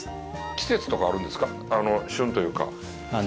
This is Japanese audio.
季節とかあるんですか、旬というか。